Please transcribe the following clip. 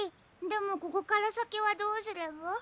でもここからさきはどうすれば？